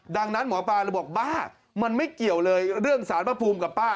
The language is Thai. ดังนั้นหมอปลาเลยบอกบ้ามันไม่เกี่ยวเลยเรื่องสารพระภูมิกับป้า